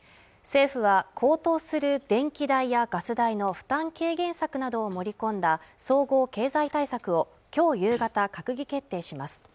政府は高騰する電気代やガス代の負担軽減策などを盛り込んだ総合経済対策をきょう夕方閣議決定します